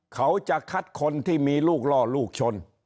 เขาจะคัดคนที่มีลูกล่อลูกชน